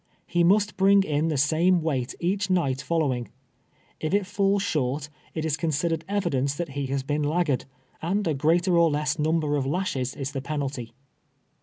He must bring in the same weight each night follow ing. If it falls short, it is considered evidence that he has been laggard, and a greater or less number of lashes is the penalty.